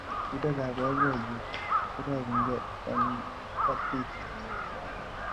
Rirekab boiboiyet korongungei eng katit